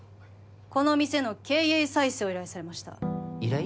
この店の経営再生を依頼されました依頼？